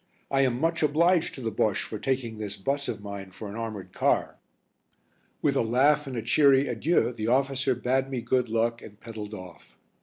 I am much obliged to the Bosche for taking this bus of mine for an armoured car." With a laugh and a cheery adieu the officer bade me good luck and pedalled off.